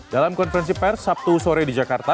dalam konferensi pers sabtu sore di jakarta